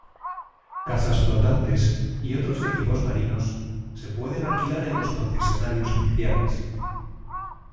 Casas flotantes y otros equipos marinos se pueden alquilar en los concesionarios oficiales.